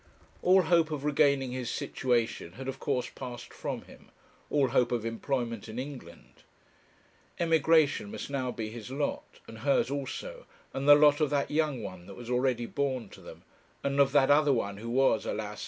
All hope of regaining his situation had of course passed from him, all hope of employment in England. Emigration must now be his lot; and hers also, and the lot of that young one that was already born to them, and of that other one who was, alas!